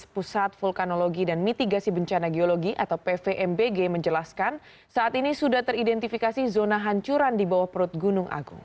pusat vulkanologi dan mitigasi bencana geologi atau pvmbg menjelaskan saat ini sudah teridentifikasi zona hancuran di bawah perut gunung agung